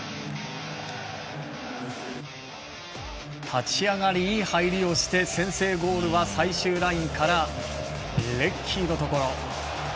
立ち上がり、いい入りをして先制ゴールは最終ラインからレッキーのところ。